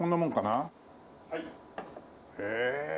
へえ。